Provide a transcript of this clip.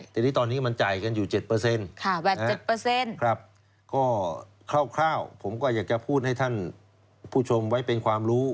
ทีนี้ตอนนี้มันจ่ายกันอยู่๗๘๗ครับก็คร่าวผมก็อยากจะพูดให้ท่านผู้ชมไว้เป็นความรู้